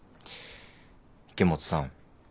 池本さん。